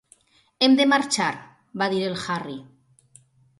"Hem de marxar", va dir el Harry.